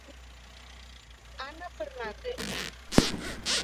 Ana Fernández.